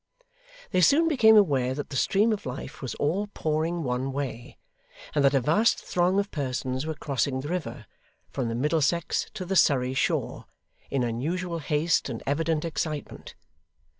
They soon became aware that the stream of life was all pouring one way, and that a vast throng of persons were crossing the river from the Middlesex to the Surrey shore, in unusual haste and evident excitement.